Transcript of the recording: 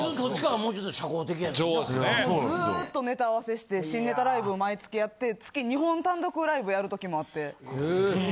もうずっとネタ合わせして新ネタライブを毎月やって月２本単独ライブやる時もあってはい。